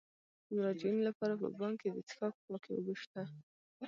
د مراجعینو لپاره په بانک کې د څښاک پاکې اوبه شته.